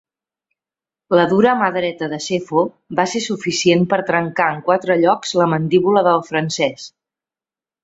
La dura mà dreta de Sefo va ser suficient per trencar en quatre llocs la mandíbula del francès.